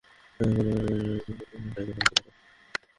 নাহয়, কোনো হোয়াইট টাইগারই ভাঙতে পারে।